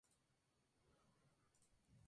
Está situada al suroeste de la ciudad de Vigo.